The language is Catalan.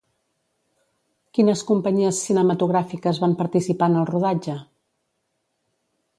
Quines companyies cinematogràfiques van participar en el rodatge?